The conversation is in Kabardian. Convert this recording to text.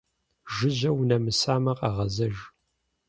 Жыжьэ унэмысамэ, къэгъэзэж.